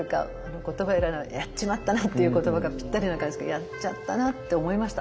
言葉やっちまったなっていう言葉がぴったりな感じですけどやっちゃったなって思いました。